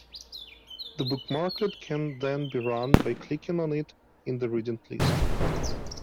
The bookmarklet can then be run by clicking on it in the reading list.